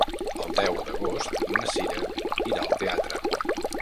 El deu d'agost na Sira irà al teatre.